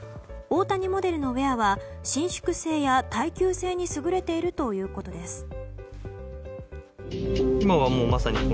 大谷モデルのウェアは伸縮性や耐久性に優れているということです。